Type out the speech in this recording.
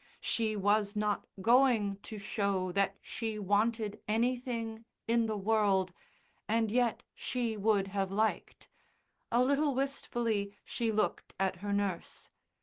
She was not going to show that she wanted anything in the world, and yet she would have liked A little wistfully she looked at her nurse.